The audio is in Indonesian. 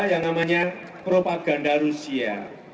yang namanya propaganda rusia